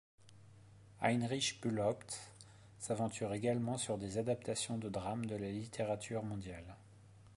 Heinrich Bulthaupt s'aventure également sur des adaptations de drames de la littérature mondiale.